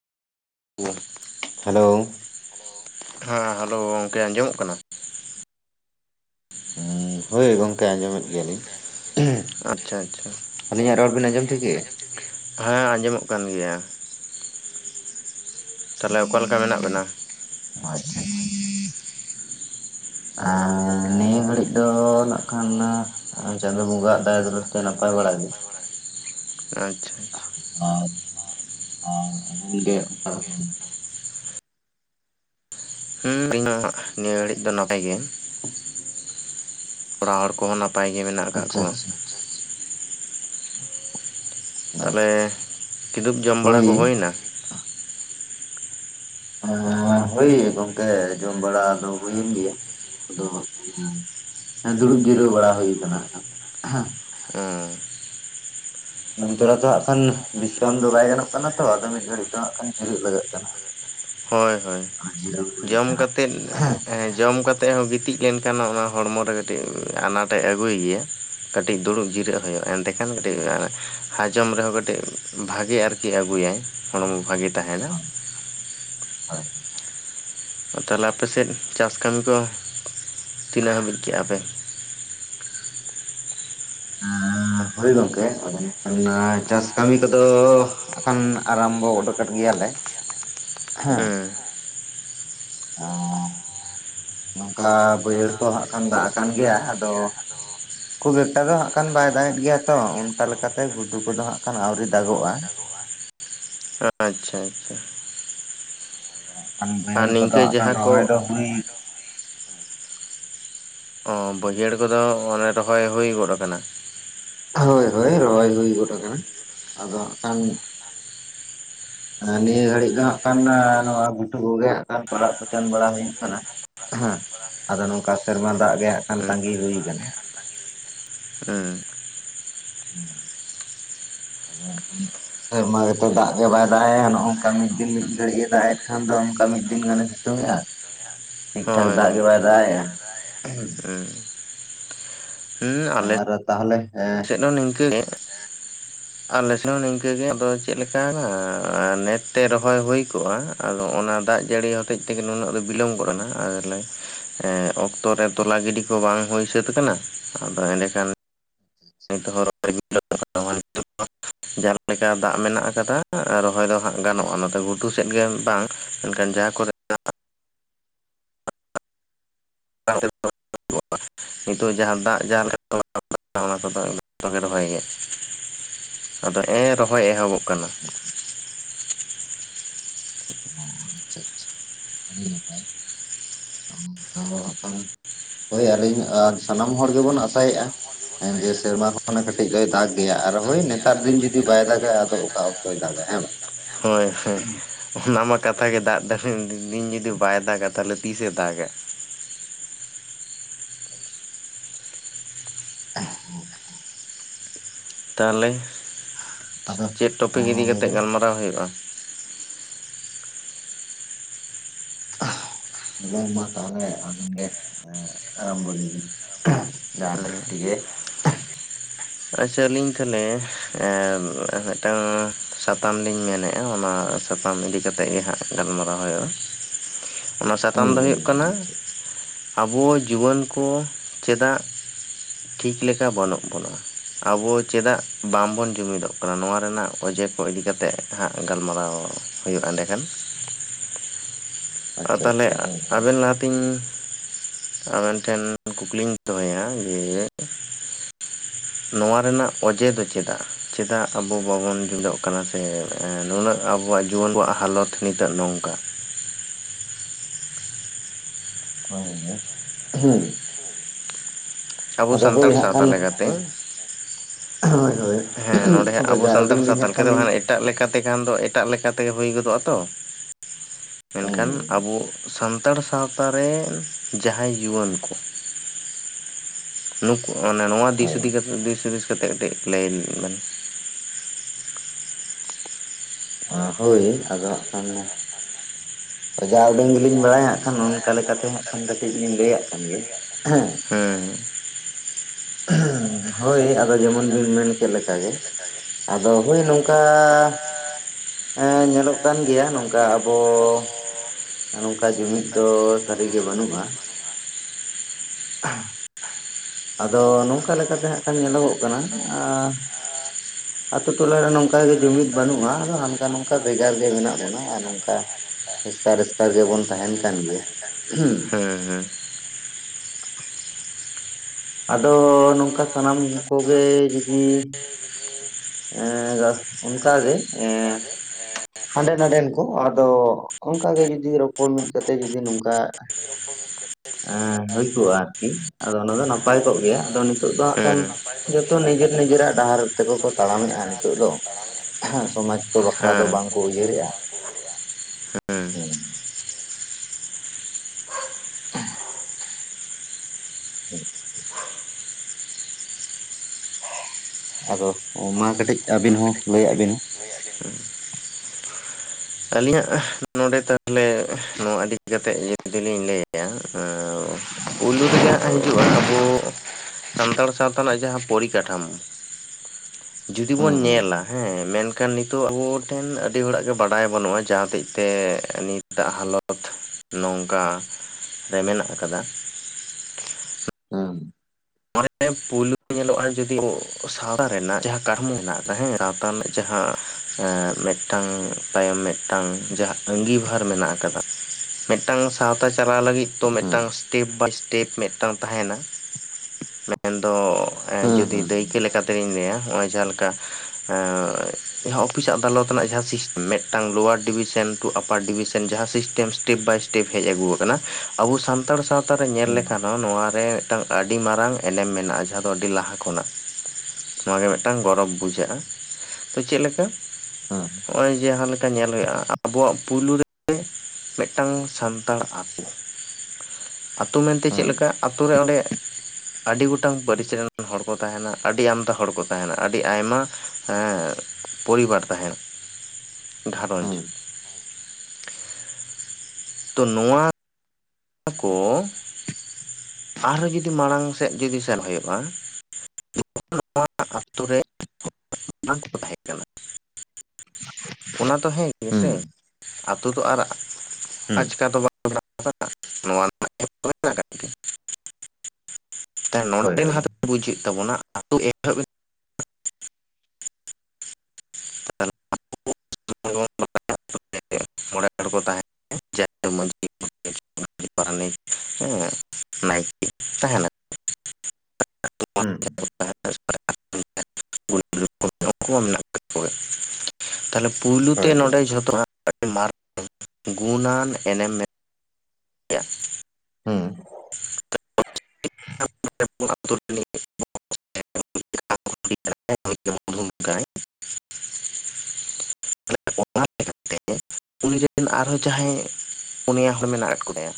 [unintelligible] Hello. ᱦᱮᱸ hello ᱜᱚᱝᱠᱮ ᱟᱸᱡᱚᱢᱚᱜ ᱠᱟᱱᱟ᱾ ᱩᱸ ᱦᱳᱭ ᱜᱚᱝᱠᱮ ᱟᱸᱡᱚᱢᱮᱫ ᱜᱮᱭᱟᱞᱤᱧ᱾ ᱟᱪᱪᱷᱟ ᱟᱪᱪᱷᱟ ᱟᱹᱞᱤᱧᱟᱜ ᱨᱚᱲ ᱵᱤᱱ ᱟᱸᱡᱚᱢ ᱴᱷᱤᱠᱮᱜᱼᱟ? ᱦᱮᱸ ᱟᱸᱡᱚᱢᱚᱜ ᱠᱟᱱ ᱜᱮᱭᱟ᱾ ᱛᱟᱦᱚᱞᱮ ᱚᱠᱟ ᱞᱮᱠᱟ ᱢᱮᱱᱟᱜ ᱵᱮᱱᱟ ᱟᱪᱪᱷᱟ᱾ ᱟᱸ ᱱᱤᱭᱟᱹ ᱜᱷᱟᱹᱲᱤᱡ ᱫᱚ ᱱᱟᱜ ᱠᱷᱟᱱ᱾ ᱪᱟᱸᱫᱳ ᱵᱚᱸᱜᱟ ᱟᱜ ᱫᱟᱭᱟ ᱫᱩᱞᱟᱹᱲ ᱛᱮ ᱱᱟᱯᱟᱭ ᱵᱟᱲᱟ ᱜᱤ᱾ ᱟᱪᱪᱷᱟ᱾ ᱟᱨ ᱟᱨᱤᱧ ᱞᱟᱹᱭᱟ ᱚᱝᱠᱟ᱾ ᱦᱩᱸ ᱤᱧ ᱫᱚ ᱱᱤᱭᱟᱹ ᱜᱷᱟᱹᱲᱤᱡ ᱫᱚ ᱱᱚᱰᱮ ᱜᱮ᱾ ᱚᱲᱟᱜ ᱦᱚᱲ ᱠᱚᱦᱚᱸ ᱱᱟᱯᱟᱭ ᱜᱮ ᱢᱮᱱᱟᱜ ᱟᱠᱟᱜ ᱟᱪᱪᱷᱟ ᱠᱚᱣᱟ᱾ ᱟᱪᱪᱷᱟ ᱛᱟᱦᱞᱮ ᱟᱪᱪᱷᱟ ᱠᱤᱫᱩᱵ ᱡᱚᱢ ᱵᱟᱲᱟ ᱦᱳᱭ ᱠᱚ ᱦᱳᱭᱱᱟ? ᱮᱸ ᱦᱳᱭ ᱜᱚᱝᱠᱮ ᱡᱚᱢ ᱵᱟᱲᱟ ᱫᱚ ᱦᱳᱭᱮᱱ ᱜᱮᱭᱟ᱾ ᱱᱤᱛᱚᱜ ᱫᱚ ᱦᱟᱸᱜ ᱠᱷᱟᱱ ᱫᱩᱲᱩᱵ ᱡᱤᱨᱟᱹ ᱵᱟᱲᱟ ᱦᱩᱭ ᱠᱟᱱᱟ ᱟᱸ ᱟ᱾ ᱤᱱ ᱫᱟᱨᱟ ᱫᱚ ᱟᱸᱜ ᱠᱷᱟᱱ ᱵᱤᱥᱨᱟᱢ ᱫᱚ ᱵᱟᱭ ᱜᱟᱱᱚᱜ ᱠᱟᱱᱟ ᱛᱚ ᱟᱫᱚ ᱢᱤᱫ ᱜᱷᱟᱲᱤᱡ ᱫᱚ ᱦᱟᱸᱜ ᱠᱷᱟᱱ ᱡᱤᱨᱳᱜ ᱞᱟᱜᱟᱜ ᱠᱟᱱᱟ᱾ ᱦᱚᱭ ᱦᱚᱭ ᱡᱤᱨᱟᱹᱣ ᱦᱩᱭ ᱡᱚᱢ ᱠᱟᱱᱟ ᱠᱟᱛᱮᱫ ᱮᱸ ᱡᱚᱢ ᱠᱟ ᱛᱮ ᱦᱚᱸ ᱜᱤᱛᱤᱡ ᱞᱮᱝᱠᱷᱟᱱ ᱚᱱᱟ ᱦᱚᱲᱢᱚ ᱨᱮ ᱠᱟᱹᱴᱤᱡ ᱟᱱᱟᱴᱮ ᱟᱹᱜᱩᱭ ᱜᱮᱭᱟ᱾ ᱠᱟᱹᱴᱤᱡ ᱫᱩᱲᱩᱵ ᱡᱤᱨᱟᱹᱜ ᱦᱳᱭᱳᱜ-ᱟ ᱮᱸᱰᱮ [unintelligible] ᱦᱟᱡᱚᱢ ᱨᱮᱦᱚᱸ ᱠᱟᱹᱴᱤᱡ ᱵᱷᱟᱜᱮ ᱟᱨᱠᱤ ᱟᱜᱩᱭᱟᱭ᱾ ᱦᱚᱲᱢᱚ ᱵᱷᱟᱜᱮ ᱛᱟᱦᱮᱱᱟ᱾ ᱦᱚᱭ᱾ ᱛᱟᱦᱞᱮ ᱟᱯᱮ ᱥᱮᱫ ᱪᱟᱥ ᱠᱟᱹᱢᱤ ᱠᱚ ᱛᱤᱱᱟᱹᱜ ᱦᱟᱹᱵᱤᱡ ᱠᱟᱜ-ᱟ ᱯᱮ? [inaudible] ᱮᱸ ᱦᱳᱭ ᱜᱚᱢᱠᱮ ᱚᱱᱟ ᱪᱟᱥ ᱠᱟᱢᱤ ᱠᱚᱫᱚ᱾ ᱮᱠᱷᱚᱱ ᱟᱨᱟᱢᱵᱚ ᱚᱰᱚ ᱠᱮᱫ ᱜᱮᱭᱟᱞᱮ᱾ ᱮᱸ᱾ ᱚᱸ᱾ ᱱᱚᱝᱠᱟ ᱵᱟᱹᱭᱦᱟᱹᱲ ᱠᱚ ᱦᱟᱸᱜ ᱠᱷᱟᱱ ᱫᱟᱜ ᱟᱠᱟᱱ ᱜᱮᱭᱟ ᱟᱫᱚ᱾ ᱛᱚ᱾ ᱠᱷᱩᱵ ᱮᱠᱴᱟ ᱫᱚ ᱦᱟᱸᱜ ᱠᱷᱟᱱ ᱵᱟᱭ ᱫᱟᱜᱮᱫ ᱜᱮᱭᱟ ᱛᱚ ᱚᱱᱠᱟ ᱞᱮᱠᱟᱛᱮ ᱜᱷᱩᱴᱩ ᱠᱚᱫᱚ ᱦᱟᱸᱜ ᱠᱷᱟᱱ ᱟᱣᱨᱤ ᱫᱟᱜᱚᱜ-ᱟ᱾ ᱟᱪᱪᱷᱟ ᱟᱪᱪᱷᱟ᱾ ᱟᱫᱚ ᱦᱟᱸᱜ ᱠᱷᱟᱱ ᱟᱨ ᱵᱟᱹᱭᱦᱟᱹᱲ ᱠᱚᱫᱚ ᱱᱤᱝᱠᱟᱹ ᱦᱟᱸᱜ ᱠᱷᱟᱱ ᱡᱟᱦᱟᱸ ᱠᱚ ᱨᱚᱦᱚᱭ ᱫᱚ ᱦᱩᱭ ᱚ ᱵᱟᱹᱭᱦᱟᱹᱲ ᱠᱚᱫᱚ ᱚᱱᱮ ᱨᱚᱦᱚᱭ ᱦᱩᱭ ᱜᱚᱫ ᱠᱟᱱᱟ? ᱦᱳᱭ ᱦᱳᱭ ᱨᱚᱦᱚᱭ ᱦᱩᱭ ᱜᱚᱴ ᱟᱠᱟᱱᱟ ᱟᱫᱚ ᱦᱟᱜ ᱠᱷᱟᱱ ᱱᱤᱭᱟᱹ ᱜᱷᱟᱹᱲᱤᱡ ᱫᱚ ᱦᱟᱜ ᱠᱷᱟᱱ ᱱᱚᱣᱟ ᱜᱷᱩᱴᱩ ᱠᱚᱜᱮ ᱦᱟᱜ ᱠᱷᱟᱱ [inaudible] ᱵᱟᱲᱟ ᱦᱩᱭᱩᱜ ᱠᱟᱱᱟ ᱾ ᱫᱟᱜ ᱜᱮ ᱦᱟᱸᱜ ᱠᱷᱟᱱ ᱛᱟᱸᱜᱤ ᱦᱩᱭ ᱠᱟᱱᱟ [unintelligible] ᱦᱮᱸ ᱟᱫᱚ ᱦᱟᱜ ᱠᱷᱟᱱ [unintelligible] ᱥᱮᱨᱢᱟ ᱜᱮᱛᱚ ᱫᱟᱜ ᱜᱮ ᱵᱟᱭ ᱫᱟᱜ ᱮᱜ ᱱᱚᱝᱠᱟ ᱢᱤᱫ ᱫᱤᱱ ᱢᱤᱫ ᱫᱤᱱ ᱜᱷᱟᱹᱲᱤᱡ ᱮ ᱫᱟᱜ ᱮᱫ ᱠᱷᱟᱱ ᱫᱚ ᱱᱚᱝᱠᱟ ᱢᱤᱫ ᱫᱤᱱ ᱜᱟᱱᱮ- ᱛᱩᱝ ᱮᱜᱟ ᱴᱷᱤᱠ ᱴᱷᱟᱠ ᱦᱳᱭ ᱦᱳᱭ ᱫᱟᱜᱟᱜᱮ ᱵᱟᱭ ᱫᱟᱜ ᱮᱜᱟ ᱦᱩᱸ ᱛᱟᱦᱚ ᱨᱮ ᱛᱟᱦᱚᱞᱮ ᱮᱸᱜ ᱫᱚ ᱱᱤᱝᱠᱟᱸ ᱜᱮ ᱟᱞᱮᱥᱮᱱ ᱦᱚᱸ ᱱᱤᱝᱠᱟᱹᱜᱮ ᱟᱫᱚ ᱪᱮᱫᱠᱟᱱᱟ ᱱᱮᱴ ᱛᱮ ᱨᱚᱦᱚᱭ ᱦᱩᱭ ᱠᱚᱜᱼᱟ᱾ ᱟᱫᱚ ᱚᱱᱟ ᱫᱟᱜ ᱡᱟᱹᱲᱤ ᱦᱚᱛᱮᱡ ᱛᱮᱜᱮ ᱱᱩᱱᱟᱹᱜ ᱫᱚ ᱵᱤᱞᱚᱢ ᱜᱚᱫ ᱮᱱᱟ ᱟᱨᱞᱮ ᱮ ᱚᱠᱛᱚ ᱨᱮ- ᱛᱚᱞᱟ ᱜᱤᱰᱤ ᱠᱚ ᱵᱟᱝ ᱦᱩᱭ ᱥᱟᱹᱛ ᱠᱟᱱᱟ ᱟᱫᱚ ᱮᱸᱰᱮᱠᱷᱟᱱ [inaudible] ᱡᱟᱦᱟ ᱞᱮᱠᱟ ᱫᱟᱜ ᱢᱮᱱᱟᱜ ᱠᱟᱫᱟ ᱨᱚᱦᱚᱭ ᱫᱚ ᱦᱟᱸᱜ ᱜᱟᱱᱚᱜᱼᱟ ᱱᱚᱛᱮ ᱜᱷᱩᱴᱩ ᱥᱮᱫ ᱜᱮ ᱵᱟᱝ ᱢᱮᱱᱠᱷᱟᱱ ᱡᱟᱦᱟᱸ ᱠᱚᱨᱮ [inaudible] ᱱᱤᱛᱚᱜ ᱡᱟᱦᱟᱸ ᱫᱟᱜ ᱡᱟᱦᱟᱸ [unintelligible] ᱚᱱᱟ ᱠᱚ ᱫᱟᱜ ᱛᱚᱜᱮ ᱨᱚᱦᱚᱭ ᱦᱩᱭᱩᱜᱟ ᱟᱫᱚ ᱮᱱ ᱨᱚᱦᱚ ᱮᱦᱚᱵᱚᱜ ᱠᱟᱱᱟ᱾ ᱚ ᱟᱪᱪᱷᱟ ᱟᱪᱪᱷᱟ ᱟᱰᱤ ᱱᱟᱯᱟᱭ [unintelligible] ᱦᱳᱭ ᱟᱹᱞᱤᱧ ᱟᱨ ᱥᱟᱱᱟᱢ ᱦᱚᱲ ᱜᱮᱵᱚᱱ ᱟᱥᱟᱭᱮᱫᱼᱟ᱾ ᱦᱮᱸ ᱡᱮ ᱥᱮᱨᱢᱟ ᱠᱷᱚᱱ ᱠᱟᱹᱴᱤᱡ ᱫᱚᱭ ᱫᱟᱜᱽ ᱜᱮᱭᱟ ᱟᱨ ᱦᱳᱭ ᱱᱮᱛᱟᱨ ᱫᱤᱱ ᱡᱩᱫᱤ ᱵᱟᱭ ᱫᱟᱜᱟ ᱟᱫᱚ ᱚᱠᱟ ᱚᱠᱛᱚᱭ ᱫᱟᱜᱟ ᱦᱮᱸ? ᱦᱳᱭ ᱦᱩᱸ ᱚᱱᱟ ᱢᱟ ᱠᱟᱛᱷᱟ ᱜᱮ ᱫᱟᱜ ᱫᱤ ᱫᱤᱱ ᱡᱩᱫᱤ ᱵᱟᱭ ᱫᱟᱜᱟ ᱛᱟᱦᱚᱞᱮ ᱛᱤᱥᱮ ᱫᱟᱜᱟ ᱦᱮ ᱛᱟᱦᱚᱞᱮ ᱟᱫᱚ ᱪᱮᱫ ᱴᱚᱯᱤᱠ ᱦᱮᱸ ᱢᱟ ᱤᱫᱤᱠᱟ ᱞᱟᱹᱭ ᱠᱟᱛᱮᱫ ᱵᱤᱱ ᱜᱟᱞᱢᱟᱨᱟᱣ ᱦᱩᱭᱩᱜᱼᱟ? ᱜᱚ ᱢᱟ ᱛᱟᱦᱟᱞᱮ ᱟᱵᱤᱱ ᱜᱮ ᱮᱜ ᱟᱨᱚᱢ ᱵᱚ ᱞᱤᱱᱵᱤᱱ ᱡᱟᱦᱟ ᱴᱟᱜ ᱴᱮᱜᱮ ᱟᱪᱪᱷᱟ ᱞᱤᱧ ᱛᱟᱦᱚᱞᱮ ᱢᱤᱫᱴᱟᱝ ᱥᱟᱛᱟᱢ ᱞᱤᱧ ᱢᱮᱱᱮᱜᱼᱟ ᱚᱱᱟ ᱥᱟᱛᱟᱢ ᱤᱫᱤ ᱠᱟᱛᱮᱫ ᱜᱮ ᱦᱟᱸᱜ ᱜᱟᱞᱢᱟᱨᱟᱣ ᱦᱩᱭᱩᱜᱼᱟ ᱚᱱᱟ ᱥᱟᱛᱟᱢ ᱦᱩᱸ ᱫᱚ ᱦᱩᱭᱩᱜ ᱦᱩᱸ ᱠᱟᱱᱟ ᱟᱪᱪᱷᱟ ᱟᱵᱚ ᱡᱩᱣᱟᱹᱱ ᱠᱚ ᱪᱮᱫᱟᱜ ᱴᱷᱤᱠ ᱞᱮᱠᱟ ᱵᱟᱹᱱᱩᱜ ᱵᱚᱱᱟ? ᱟᱵᱚ ᱪᱮᱫᱟᱜ ᱵᱟᱝᱵᱚᱱ ᱡᱩᱢᱤᱫᱚᱜ ᱠᱟᱱᱟ ᱱᱚᱣᱟ ᱨᱮᱱᱟᱜ ᱚᱡᱮ ᱠᱚ ᱤᱫᱤ ᱠᱟᱛᱮᱜ ᱦᱟᱸᱜ ᱜᱟᱞᱢᱟᱨᱟᱣ ᱦᱩᱭᱩᱜᱼᱟ ᱮᱸᱰᱮᱠᱷᱟᱱ ᱟᱨ ᱟᱪᱪᱷᱟ ᱛᱟᱦᱟᱞᱮ ᱟᱪᱪᱷᱟ ᱦᱳᱭ ᱟᱵᱮᱱ ᱞᱟᱦᱟᱛᱤᱧ ᱟᱵᱮᱱ ᱴᱷᱮᱱ ᱠᱩᱠᱞᱤᱧ ᱫᱚᱦᱚᱭᱟ ᱡᱮ- ᱱᱚᱣᱟ ᱨᱮᱱᱟᱜ ᱚᱡᱮ ᱫᱚ ᱪᱮᱫᱟᱜ ᱪᱮᱫᱟᱜ ᱟᱵᱚ ᱵᱟᱵᱚᱱ ᱡᱩᱢᱤᱫᱚᱜ ᱠᱟᱱᱟ? ᱥᱮ ᱮ ᱱᱩᱱᱟᱹᱜ ᱟᱵᱚᱣᱟᱜ ᱡᱩᱣᱟᱹᱱ ᱠᱚᱣᱟᱜ ᱦᱟᱞᱚᱛ ᱱᱤᱛᱚᱜ ᱱᱚᱝᱠᱟ [unintelligible] ᱦᱩᱸ ᱟᱵᱚ ᱥᱟᱱᱛᱟᱲ ᱦᱟᱸᱜ ᱥᱟᱶᱛᱟ ᱠᱷᱟᱱ ᱞᱮᱠᱟᱛᱮ- ᱦᱳᱭ ᱦᱳᱭ ᱦᱮᱸ ᱱᱚᱸᱰᱮᱟᱸ ᱟᱫᱚ ᱟᱵᱚ ᱡᱟ ᱥᱟᱱᱛᱟᱲ ᱩᱰᱟᱹᱝ ᱞᱤᱧ ᱥᱟᱶᱛᱟ ᱦᱟᱸᱜ ᱞᱮᱠᱟ ᱠᱷᱟᱱ ᱫᱚ ᱞᱤᱧ ᱢᱟᱱᱮ ᱮᱴᱟᱜ ᱞᱮᱠᱟᱛᱮ ᱠᱷᱟᱱ ᱫᱚ ᱮᱴᱟᱜ ᱞᱮᱠᱟ ᱛᱮᱜᱮ ᱦᱩᱭ ᱜᱚᱫᱚᱜᱼᱟ ᱛᱚ ᱢᱮᱱᱠᱷᱟᱱ ᱟᱵᱚ ᱥᱟᱱᱛᱟᱲ ᱥᱟᱶᱛᱟ ᱨᱮᱱ ᱡᱟᱦᱟᱸᱭ ᱡᱩᱣᱟᱹᱱ ᱠᱚ- ᱱᱩᱠᱩ ᱢᱟᱱᱮ ᱱᱚᱣᱟ ᱫᱤᱥ ᱦᱳᱭ ᱫᱤᱥ ᱦᱩᱫᱤᱥ ᱠᱟᱛᱮ ᱠᱟᱹᱴᱤᱡ ᱞᱟᱹᱭ ᱵᱮᱱ? ᱟ ᱦᱳᱭ ᱟᱫᱚ ᱦᱟᱸᱜ ᱠᱷᱟᱱ ᱡᱟ ᱩᱰᱟᱹᱝ ᱜᱮᱞᱤᱧ ᱵᱟᱲᱟᱭᱟᱸ ᱠᱷᱟᱱ ᱚᱱᱠᱟ ᱞᱮᱠᱟᱛᱮ ᱦᱟᱸᱜ ᱠᱷᱟᱱ ᱠᱟᱹᱴᱤᱡ ᱞᱤᱧ ᱞᱟᱹᱭᱟᱜ ᱠᱟᱱ ᱜᱮ ᱦᱮᱸ ᱦᱳᱭ ᱟᱫᱚ ᱡᱮᱢᱚᱱ ᱵᱤᱱ ᱢᱮᱱ ᱠᱮᱫ ᱞᱮᱠᱟᱜ ᱜᱮ ᱟᱫᱚ ᱦᱳᱭ ᱱᱚᱝᱠᱟ ᱧᱮᱞᱚᱜ ᱠᱟᱱ ᱜᱮᱭᱟ ᱱᱚᱝᱠᱟ ᱟᱵᱚ ᱮ ᱱᱚᱝᱠᱟ ᱡᱩᱢᱤᱫ ᱫᱚ ᱥᱟᱨᱤ ᱜᱮ ᱵᱟᱹᱱᱩᱜᱼᱟ᱾ [inaudible] ᱟᱫᱚ ᱱᱚᱝᱠᱟ ᱟᱫᱚ ᱞᱮᱠᱟᱛᱮ ᱦᱟᱸᱜ ᱱᱚᱝᱠᱟ ᱠᱷᱟᱱ ᱞᱮᱠᱟᱛᱮ ᱧᱮᱞᱚᱜᱚᱜ ᱦᱟᱸᱜ ᱠᱷᱟᱱ ᱧᱮᱞᱚᱜᱚᱜ ᱠᱟᱱᱟ ᱟᱹᱛᱩ ᱴᱚᱞᱟᱨᱮ ᱱᱚᱝᱠᱟ ᱜᱮ ᱡᱩᱢᱤᱫ ᱵᱟᱹᱱᱩᱜᱼᱟ ᱟᱫᱚ ᱦᱟᱱᱠᱟ ᱱᱚᱝᱠᱟ ᱵᱷᱮᱜᱟᱨ ᱜᱮ ᱢᱮᱱᱟᱜ ᱵᱚᱱᱟ ᱟᱨ ᱱᱚᱝᱠᱟ ᱮᱥᱠᱟᱨ ᱮᱥᱠᱟᱨ ᱜᱮᱵᱚᱱ ᱛᱟᱦᱮᱱ ᱠᱟᱱ ᱜᱮᱭᱟ ᱦᱩᱻ ᱦᱩᱸ ᱦᱩᱸ ᱟᱫᱚ ᱱᱚᱝᱠᱟ ᱥᱟᱱᱟᱢ ᱠᱚᱜᱮ ᱡᱩᱫᱤ ᱮᱻ ᱚᱱᱠᱟᱜ ᱜᱮ ᱮᱻ ᱦᱟᱸᱰᱮ ᱱᱟᱰᱮᱱ ᱠᱚ ᱟᱫᱚ ᱚᱱᱠᱟᱜ ᱜᱮ ᱡᱩᱫᱤ ᱨᱚᱯᱚᱲ ᱢᱤᱫ ᱠᱟᱛᱮ ᱡᱩᱫᱤ ᱱᱚᱝᱠᱟ ᱮᱻ ᱦᱩᱭ ᱠᱚᱜᱼᱟ ᱟᱨᱠᱤ ᱟᱫᱚ ᱚᱱᱟ ᱫᱚ ᱱᱟᱯᱟᱭ ᱠᱚᱜ ᱜᱮᱭᱟ ᱟᱫᱚ ᱱᱤᱛᱚᱜ ᱫᱚ ᱦᱟᱸᱜ ᱠᱷᱟᱱ ᱦᱮᱸ ᱡᱚᱛᱚ ᱱᱤᱡᱮᱨ ᱱᱤᱡᱮᱨᱟᱜ ᱰᱟᱦᱟᱨ ᱛᱮ ᱠᱚ ᱛᱟᱲᱟᱢᱼᱮᱫᱟ ᱱᱤᱛᱚᱜ ᱫᱚ ᱦᱮ ᱥᱚᱢᱟᱡᱽ ᱠᱚ ᱵᱟᱠᱷᱨᱟ ᱫᱚ ᱦᱮᱸ ᱦᱮᱸ ᱵᱟᱝᱠᱚ ᱩᱭᱦᱟᱹᱨᱮᱜᱼᱟ ᱦᱮᱸ ᱦᱩ ᱟᱫᱚ ᱢᱟ ᱠᱟᱹᱴᱤᱡ ᱟᱹᱵᱤᱱ ᱦᱚᱸ ᱞᱟᱹᱭᱟᱜ ᱟᱜ ᱵᱤᱱ ᱟᱹᱞᱤᱧᱟᱜ ᱱᱚᱰᱮ ᱛᱟᱦᱚᱞᱮ ᱱᱚᱣᱟ ᱤᱫᱤ ᱠᱟᱛᱮ ᱫᱤᱱᱤᱧ ᱞᱟᱹᱭ ᱮᱫᱼᱟ ᱯᱳᱭᱞᱳ ᱨᱮᱜᱮ ᱦᱟᱸᱜ ᱦᱤᱡᱩᱜᱼᱟ ᱟᱵᱚ ᱥᱟᱱᱛᱟᱲ ᱥᱟᱶᱛᱟ ᱨᱮᱭᱟᱜ ᱡᱟᱦᱟᱸ ᱯᱚᱨᱤᱠᱟᱴᱷᱟᱢᱳ ᱡᱩᱫᱤ ᱵᱚᱱ ᱦᱳᱭ ᱧᱮᱞᱟ ᱦᱮᱸ ᱠᱷᱟᱱ ᱱᱤᱛᱚᱜ ᱟᱵᱚ ᱴᱷᱮᱱ ᱟᱹᱰᱤ ᱦᱚᱲᱟᱜ ᱜᱮ ᱵᱟᱲᱟᱭ ᱵᱟᱲᱟᱭ ᱵᱟᱹᱱᱩᱜᱼᱟ ᱡᱟᱦᱟᱸ ᱦᱚᱛᱮᱡ ᱛᱮ ᱱᱤᱛᱟᱹᱜ ᱦᱟᱞᱚᱛ ᱱᱚᱝᱠᱟ ᱨᱮ ᱢᱮᱱᱟᱜ ᱟᱠᱟᱫᱟ ᱦᱮᱸ ᱢᱮ ᱯᱩᱭᱞᱩ ᱧᱮᱞᱚᱜᱼᱟ ᱡᱩᱫᱤ ᱥᱟᱶᱛᱟ ᱨᱮᱱᱟᱜ ᱡᱟᱦᱟᱸ ᱠᱟᱨᱢᱚ ᱢᱮᱱᱟᱜ ᱮ ᱱᱟᱜ ᱟᱠᱟᱫᱟ ᱦᱮᱸ ᱥᱟᱶᱛᱟ ᱨᱮᱱᱟᱜ ᱡᱟᱦᱟᱸ ᱢᱤᱫᱴᱟᱝ ᱛᱟᱭᱚᱢ ᱢᱤᱫᱴᱟᱝ ᱡᱟᱦᱟᱸ ᱟᱸᱜᱤᱵᱷᱟᱨ ᱢᱮᱱᱟᱜ ᱟᱠᱟᱫᱟ ᱢᱤᱫᱴᱟᱝ ᱥᱟᱶᱛᱟ ᱪᱟᱞᱟᱣ ᱞᱟᱹᱜᱤᱫ ᱛᱚ ᱢᱤᱫᱴᱟᱝ ᱥᱴᱮᱯ ᱵᱟᱭ ᱥᱴᱮᱯ ᱢᱤᱫᱴᱟᱝ ᱛᱟᱦᱮᱱᱟ ᱢᱮᱱᱫᱚ ᱡᱩᱫᱤ ᱫᱟᱹᱭᱠᱟᱹ ᱞᱮᱠᱟᱛᱮᱧ ᱞᱟᱹᱭᱟ ᱱᱚᱜᱼᱚᱭ ᱡᱟᱦᱟᱸ ᱞᱮᱠᱟ ᱚᱯᱷᱤᱥ ᱟᱫᱟᱞᱚᱛ ᱨᱮᱱᱟᱜ ᱡᱟᱦᱟᱸ ᱥᱤᱥᱴᱮᱢ ᱢᱤᱫᱴᱟᱝ lower division to upper division ᱡᱟᱦᱟᱸ ᱥᱤᱥᱴᱮᱢ ᱥᱴᱮᱯ ᱵᱟᱭ ᱥᱴᱮᱯ ᱦᱮᱡ ᱟᱹᱜᱩ ᱟᱠᱟᱱᱟ ᱟᱵᱚ ᱥᱟᱱᱛᱟᱲ ᱥᱟᱶᱛᱟ ᱛᱚᱵᱮ ᱧᱮᱞ ᱞᱮᱠᱷᱟᱱ ᱦᱚᱸ ᱱᱚᱣᱟ ᱨᱮ ᱢᱤᱫᱴᱟᱝ ᱟᱹᱰᱤ ᱢᱟᱨᱟᱝ ᱮᱱᱮᱢ ᱢᱮᱱᱟᱜᱼᱟ ᱡᱟᱦᱟᱸ ᱫᱚ ᱟᱹᱰᱤ ᱞᱟᱦᱟ ᱠᱷᱚᱱᱟᱜ ᱱᱚᱣᱟᱜᱮ ᱢᱤᱫᱴᱟᱝ ᱜᱚᱨᱚᱵᱽ ᱵᱩᱡᱷᱟᱹᱜᱼᱟ ᱛᱚ ᱪᱮᱫ ᱞᱮᱠᱟ ᱱᱚᱜᱼᱚᱭ ᱡᱟᱦᱟ ᱞᱮᱠᱟ ᱧᱮᱞ ᱦᱩᱭᱩᱜᱼᱟ ᱟᱵᱚᱣᱟᱜ ᱯᱩᱭᱞᱳ ᱨᱮ ᱢᱤᱫᱴᱟᱝ ᱥᱟᱱᱛᱟᱲ ᱟᱛᱩ ᱟᱛᱩ ᱢᱮᱱᱛᱮ ᱪᱮᱫ ᱞᱮᱠᱟ ᱟᱛᱩ ᱨᱮ ᱚᱸᱰᱮ ᱟᱹᱰᱤ ᱜᱚᱴᱟᱝ ᱯᱟᱹᱨᱤᱥ ᱨᱮᱱ ᱦᱚᱲ ᱠᱚ ᱛᱟᱦᱮᱱᱟ ᱟᱹᱰᱤ ᱟᱢᱫᱟ ᱦᱚᱲ ᱠᱚ ᱛᱟᱦᱮᱱᱟ ᱟᱹᱰᱤ ᱟᱭᱢᱟ ᱦᱮᱸ ᱯᱚᱨᱤᱵᱟᱨ ᱛᱟᱦᱮ ᱜᱷᱟᱨᱚᱸᱧᱡᱽ ᱛᱚ ᱱᱚᱣᱟ ᱱᱚᱣᱟ ᱠᱚ ᱟᱨᱦᱚᱸ ᱡᱩᱫᱤ ᱢᱟᱲᱟᱝ ᱥᱮᱫ ᱡᱩᱫᱤ ᱥᱮᱱ ᱦᱩᱭᱩᱜᱼᱟ ᱱᱚᱣᱟ ᱟᱛᱳ ᱨᱮ ᱛᱟᱦᱮᱸ ᱠᱟᱱᱟ [inaudible] ᱚᱱᱟ ᱫᱚ ᱦᱮᱸ ᱜᱮ ᱥᱮ ᱟᱛᱳ ᱫᱚ ᱟᱨ ᱟᱪᱠᱟ ᱫᱚ ᱵᱟᱝ ᱵᱮᱱᱟᱜ, ᱱᱚᱣᱟ [unintelligible] ᱭᱟ ᱱᱚᱰᱮ ᱞᱟᱦᱟ ᱛᱮ [inaudible] ᱵᱩᱡᱽ ᱦᱩᱭᱩᱜ ᱛᱟᱵᱚᱱᱟ [unintelligible] ᱮᱦᱚᱵ ᱢᱚᱬᱮ ᱦᱚᱲ ᱠᱚ ᱛᱟᱦᱮᱸᱱᱟ ᱡᱮ ᱢᱟᱺᱡᱷᱤ ᱠᱚ [inaudible] ᱢᱟᱺᱡᱷᱤ ᱯᱟᱨᱟᱱᱤᱠ ᱦᱮᱸ ᱱᱟᱭᱠᱮ ᱛᱟᱦᱮᱸᱱᱟᱭ᱾ ᱦᱩᱸ [unintelligible] ᱠᱚ ᱢᱮᱱᱟᱜ ᱠᱚᱣᱟ ᱦᱳᱭ ᱛᱟᱦᱚᱸᱞᱮ ᱯᱩᱭᱞᱩ ᱛᱮ ᱱᱚᱰᱮ ᱡᱷᱚᱛᱚᱣᱟᱜ ᱟᱹᱰᱤ ᱢᱟᱨᱮ ᱜᱩᱱᱟᱹᱱ ᱮᱱᱮᱢ ᱢᱮᱱᱟᱜ-ᱟ᱾ ᱜᱮᱭᱟ᱾ ᱦᱩᱸ᱾ ᱟᱱᱮ ᱚᱝᱠᱟ ᱟᱛᱳ ᱨᱤᱱᱤᱡ [unintelligible] [unintelligible] ᱩᱱ ᱨᱮᱱ ᱟᱨᱦᱚᱸ ᱡᱟᱦᱟᱸᱭ ᱯᱩᱱᱭᱟ ᱦᱚᱲ ᱢᱮᱱᱟᱜ ᱟᱠᱟᱫ ᱠᱚᱣᱟ᱾